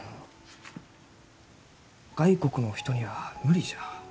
外国のお人には無理じゃ。